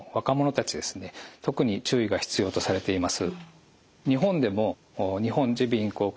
特に注意が必要とされています。